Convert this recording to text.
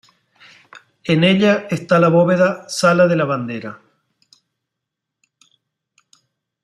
En ella está la bóveda "sala de la bandera".